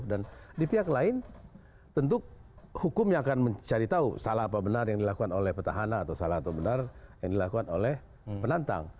dan di pihak lain tentu hukumnya akan mencari tahu salah apa benar yang dilakukan oleh petahana atau salah apa benar yang dilakukan oleh penantang